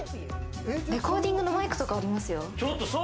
レコーディングのマイクまでありますよ。